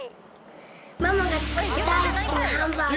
ママが作った大好きなハンバーグです。